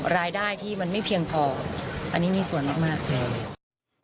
รายได้ที่มันไม่เพียงพออันนี้มีส่วนมากเลย